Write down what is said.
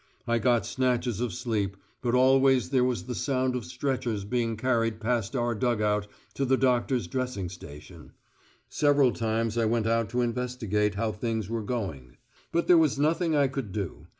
I got snatches of sleep, but always there was the sound of stretchers being carried past our dug out to the doctor's dressing station; several times I went out to investigate how things were going. But there was nothing I could do.